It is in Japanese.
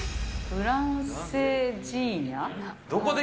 フランセジーニャ？